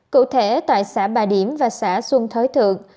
cụ thể tại xã bà điểm và xã xuân thới thượng